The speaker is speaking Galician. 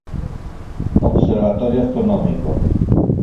Observatorio Astronómico.